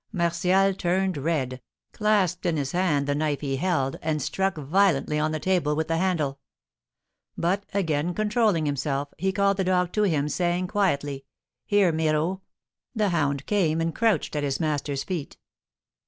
Martial turned red, clasped in his hand the knife he held, and struck violently on the table with the handle; but, again controlling himself, he called the dog to him, saying, quietly, "Here, Miraut!" The hound came, and crouched at his master's feet.